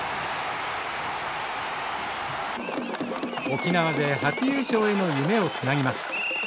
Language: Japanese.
沖縄勢初優勝への夢をつなぎます。